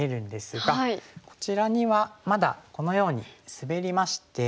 こちらにはまだこのようにスベりまして。